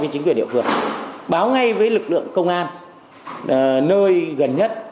chính quyền địa phương báo ngay với lực lượng công an nơi gần nhất